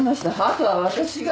後は私が。